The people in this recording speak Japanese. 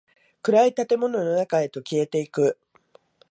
暗い建物の中へと消えていく。